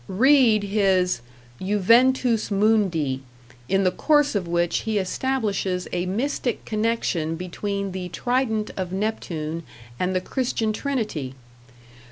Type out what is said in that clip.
Read his "Juventus Mundi", in the course of which he establishes a mystic connection between the trident of Neptune and the Christian Trinity!